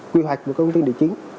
quy hoạch của công ty địa chiến